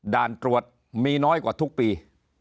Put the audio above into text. ด่านตรวจมีน้อยกว่าทุกปี